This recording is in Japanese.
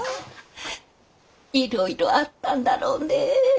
いろいろあったんだろうね。